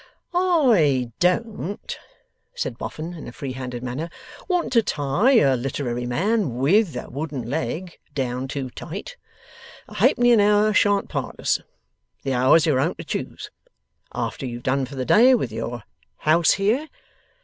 'I don't,' said Boffin, in a free handed manner, 'want to tie a literary man WITH a wooden leg down too tight. A halfpenny an hour shan't part us. The hours are your own to choose, after you've done for the day with your house here.